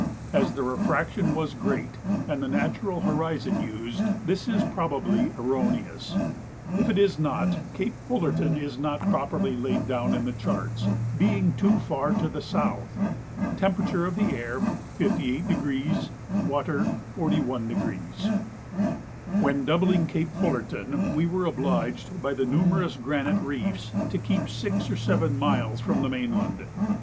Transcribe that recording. As the refraction was great and the natural horizon used, this is probably erroneous; if it is not, Cape Fullerton is not properly laid down in the charts, being too far to the south. Temperature of the air 58°, water 41°. When doubling Cape Fullerton, we were obliged, by the numerous granite reefs, to keep six or seven miles from the mainland.